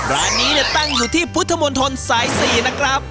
ร้านนี้ตั้งอยู่ที่พุทธมนตรสาย๔นะครับ